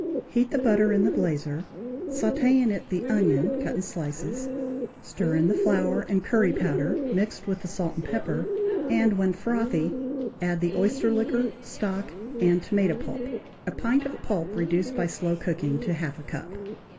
Heat the butter in the blazer, sauté in it the onion cut in slices, stir in the flour and curry powder mixed with the salt and pepper, and, when frothy, add the oyster liquor, stock and tomato pulp (a pint of pulp reduced by slow cooking to half a cup).